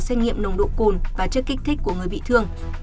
xét nghiệm nồng độ cồn và chất kích thích của người bị thương